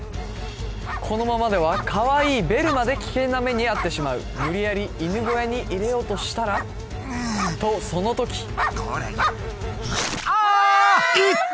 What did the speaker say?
このままではかわいいベルまで危険な目に遭ってしまう無理やり犬小屋に入れようとしたらとその時ああ！